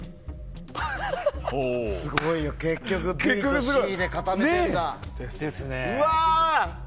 すごいよ、結局ＢとＣで固めてるんだ。